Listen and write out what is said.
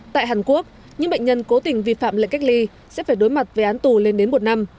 tại hàn quốc những bệnh nhân cố tình vi phạm lệnh cách ly sẽ phải đối mặt với án tù lên đến một năm